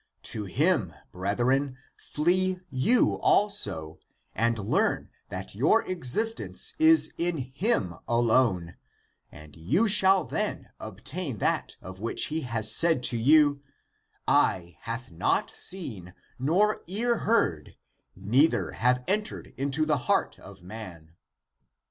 To him, brethren, flee you also, and learn that your exis tence is in him alone, and you shall then obtain that of which he said to you :" Eye hath not seen, nor ear heard, neither have entered into the heart of man."